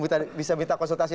prof kadri bisa minta konsultasi